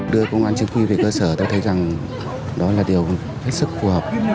đưa công an chính quy về cơ sở tôi thấy rằng đó là điều hết sức phù hợp